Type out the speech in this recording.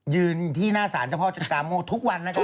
ยืนที่หน้าสารเจ้าพ่อจันกาโมทุกวันนะครับ